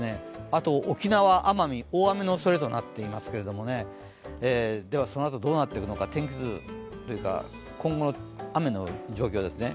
あと沖縄、奄美、大雨のおそれとなっていますけど、どうなっていくのか天気図というか、今後の雨の状況ですね。